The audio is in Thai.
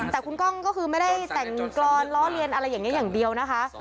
แต่คุณก้องก็คือไม่ได้แต่งกรอนล้อเลียนอะไรอย่างนี้อย่างเดียวนะคะ